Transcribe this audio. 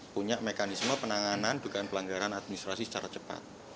punya mekanisme penanganan dugaan pelanggaran administrasi secara cepat